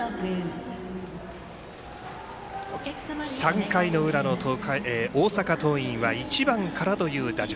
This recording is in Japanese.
３回の裏の大阪桐蔭は１番からという打順。